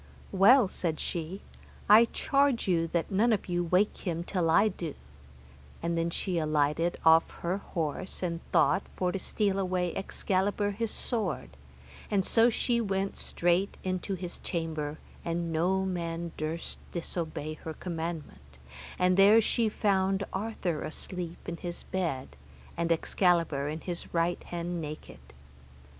Well, said she, I charge you that none of you awake him till I do, and then she alighted off her horse, and thought for to steal away Excalibur his sword, and so she went straight unto his chamber, and no man durst disobey her commandment, and there she found Arthur asleep in his bed, and Excalibur in his right hand naked.